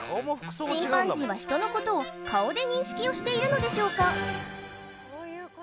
チンパンジーは人のことを顔で認識をしているのでしょうか？